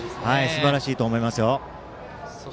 すばらしいと思いますよ。